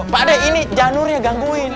pak d ini janur ya gangguin